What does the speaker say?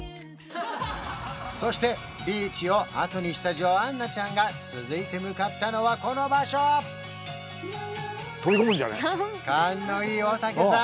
そしてビーチをあとにしたジョアンナちゃんが続いて向かったのはこの場所勘のいい大竹さん